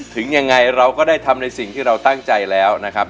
ถึงยังไงเราก็ได้ทำในสิ่งที่เราตั้งใจแล้วนะครับ